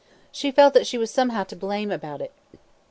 She felt that she was somehow to blame about it.